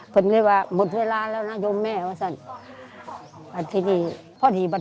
ผมก็บอกว่าหมดเวลาแล้วนะโย่แม่